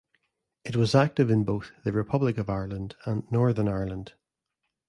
It was active in both the Republic of Ireland and Northern Ireland.